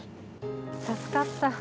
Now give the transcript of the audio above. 助かった。